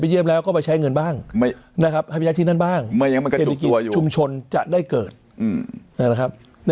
เพื่อไปกระทุนเศรษฐกิจที่นั่น